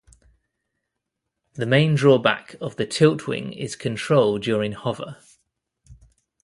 The main drawback of the tiltwing is control during hover.